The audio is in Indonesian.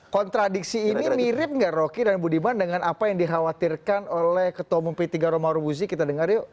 kontradiksi ini mirip gak rocky dan budiman dengan apa yang dikhawatirkan oleh ketua mumpi tiga romau urbuzi kita dengar yuk